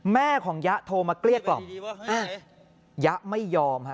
แม่ของยะโทรมาเรียกออกยะไม่ยอมฮะ